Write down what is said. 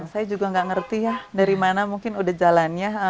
saya juga nggak ngerti ya dari mana mungkin udah jalannya